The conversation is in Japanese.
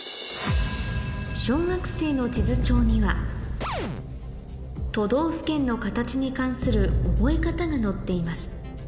小学生の地図帳には都道府県の形に関する覚え方が載っています